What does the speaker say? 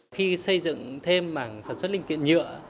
khi xây dựng thêm mảng sản xuất linh kiện nhựa